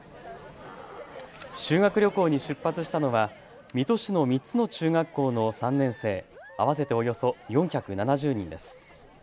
修学旅行に出発したのは水戸市の３つの中学校の３年生合わせておよそ４７０人です。